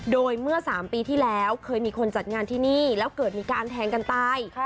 โดยเมื่อ๓ปีที่แล้วเคยมีคนจัดงานที่นี่แล้วเกิดมีการแทงกันตาย